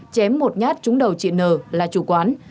chém một nhát trúng đầu chị n là chủ quán